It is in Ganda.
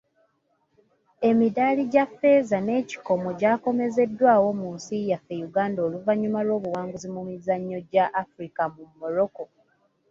Emidaali gya feeza n'ekikomo gyakomezeddwawo mu nsi yaffe Uganda oluvannyuma lw'obuwanguzi mu mizannyo gya Africa mu Morocco.